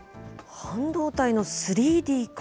半導体の３Ｄ化？